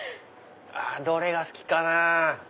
どれが好きかなぁ。